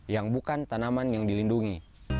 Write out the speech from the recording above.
yang bukan tanaman yang dilindungi